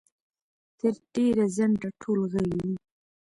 تر ډېره ځنډه ټول غلي وو.